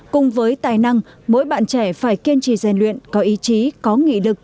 cùng với tài năng mỗi bạn trẻ phải kiên trì rèn luyện có ý chí có nghị lực